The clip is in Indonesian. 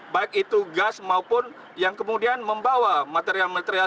baik itu gas maupun yang kemudian membawa material material